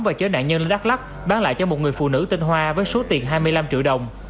và chở nạn nhân lên đắk lắk bán lại cho một người phụ nữ tên hoa với số tiền hai mươi năm triệu đồng